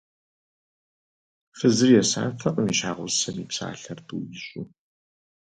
Фызыр есатэкъым и щхьэгъусэм и псалъэр тӏу ищӏу.